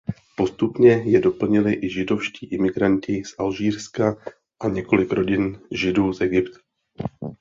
Postupně je doplnili i židovští imigranti z Alžírska a několik rodin Židů z Egypta.